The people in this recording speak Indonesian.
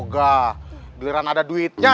ga eg lautan nanti tuh pak tu fitr ntar